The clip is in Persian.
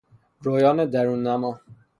رویان درون نما